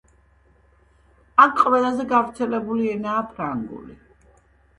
აქ ყველაზე გავრცელებული ენაა ფრანგული.